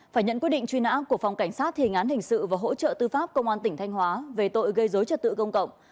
phải nhận quyết định truy nã của phòng cảnh sát thiền án hình sự và hỗ trợ tư pháp công an tỉnh thanh hóa về tội gây dối trật tự công cộng